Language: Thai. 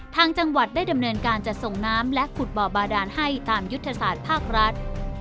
ทางจังหวัดได้ดำเนินการจัดส่งน้ำและขุดบ่อบาดานให้ตามยุทธศาสตร์ภาครัฐ